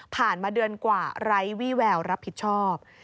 มาเดือนกว่าไร้วี่แววรับผิดชอบ